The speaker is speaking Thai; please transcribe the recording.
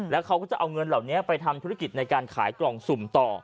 แล้วเขาก็จะเอาเงินเหล่านี้ไปทำธุรกิจในการขายกล่องสุ่มต่อ